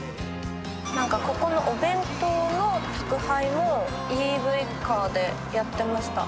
何かここのお弁当の宅配をＥＶカーでやってました。